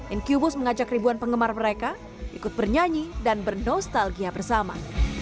incubus mengajak ribuan penggemar mereka ikut bernyanyi dan bernostalgia bersama